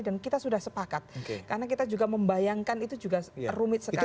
dan kita sudah sepakat karena kita juga membayangkan itu juga rumit sekali